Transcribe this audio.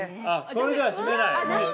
◆それでは閉めない？